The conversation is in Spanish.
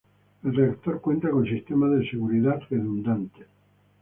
El reactor cuenta con sistemas de seguridad redundantes.